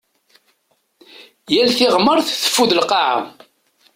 Yal tiɣmert teffud lqaɛa.